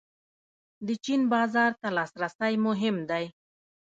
د چین بازار ته لاسرسی مهم دی